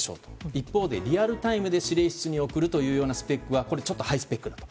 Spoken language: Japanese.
一方で、リアルタイムで指令室に送るというスペックはちょっとハイスペックだと。